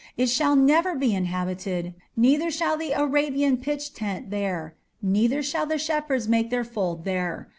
It shall never be inhabited; neither shall the Arabian pitch tent there; neither shall the shepherds make their fold there.